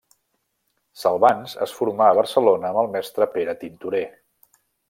Salvans es formà a Barcelona amb el mestre Pere Tintorer.